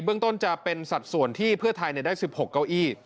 เรื่องต้นจะเป็นสัดส่วนที่เพื่อไทยได้๑๖เก้าอี้